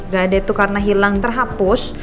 gak ada itu karena hilang terhapus